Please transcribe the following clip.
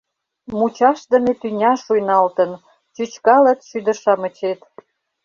Мучашдыме тӱня шуйналтын, Чӱчкалыт шӱдыр-шамычет.